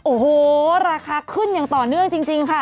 โอ้โหราคาขึ้นอย่างต่อเนื่องจริงค่ะ